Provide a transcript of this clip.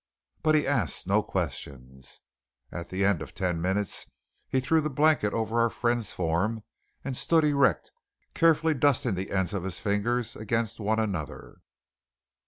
But he asked no questions. At the end of ten minutes he threw the blanket over our friend's form and stood erect, carefully dusting the ends of his fingers against one another.